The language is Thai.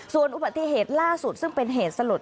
ส่วนอุบัติเหตุล่าสุดซึ่งเป็นเหตุสลด